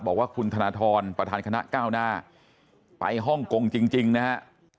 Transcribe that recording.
บอกว่าคุณธนทรประธานคณะก้าวหน้าไปฮ่องกงจริงนะฮะ